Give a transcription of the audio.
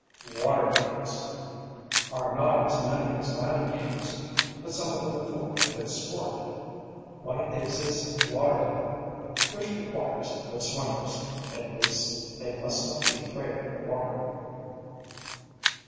WATER GAMES are not as many as land games, but some of them afford good sport. One of these is "Water Bladder," which requires good swimmers, at least they must not be afraid of the water.